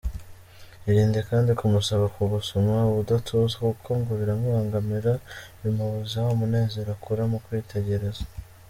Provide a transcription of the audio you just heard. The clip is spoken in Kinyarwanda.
Irinde kandi kumusaba kugusoma ubudatuza kuko ngo biramubangamira bimubuza wa munezero akura mu kwitegereza.